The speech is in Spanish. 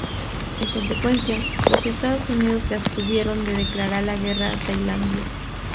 En consecuencia, los Estados Unidos se abstuvieron de declarar la guerra a Tailandia.